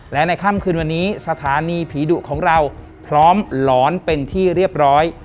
และในค่ำคืนวันนี้สถานีผีดุของเราพร้อมหลอนเป็นที่เรียบร้อย